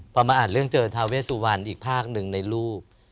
พอมาอ่านเรื่องเจอทาเวสุวรรณอีกภาคหนึ่งในรูป